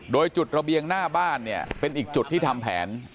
โดยจุดระเบียงหน้าบ้านเนี่ยเป็นอีกจุดที่ทำแผน